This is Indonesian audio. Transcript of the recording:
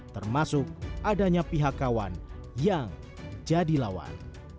termasuk adanya pihak kawan yang jadi lawan